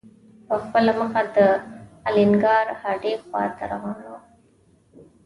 په خپله مخه د الینګار هډې خواته روان و.